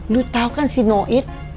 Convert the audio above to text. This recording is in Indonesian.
lo tau kan si noid